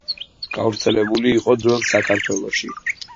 გავრცელებული იყო ძველ საქართველოში.